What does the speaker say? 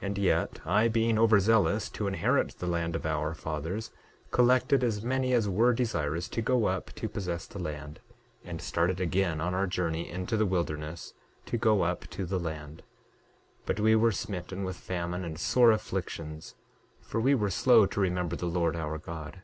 9:3 And yet, I being over zealous to inherit the land of our fathers, collected as many as were desirous to go up to possess the land, and started again on our journey into the wilderness to go up to the land; but we were smitten with famine and sore afflictions; for we were slow to remember the Lord our God.